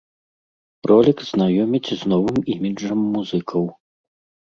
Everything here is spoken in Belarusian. Ролік знаёміць з новым іміджам музыкаў.